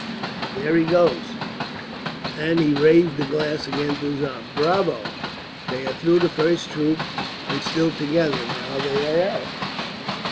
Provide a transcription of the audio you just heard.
"There he goes!" and he raised the glass again to his eye. "Bravo! They are through the first troop, and still together. Now they are at it.